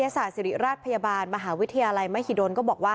ศิลิราชพยาบาลมหาวิทยาลัยมหิดล